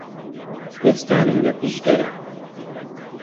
کوێستانم لە پشدەرە